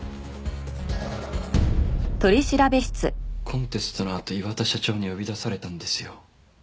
コンテストのあと磐田社長に呼び出されたんですよ。